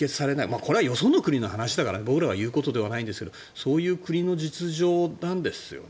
これはよその国の話だから僕らが言うことじゃないけどそういう国の実情なんですよね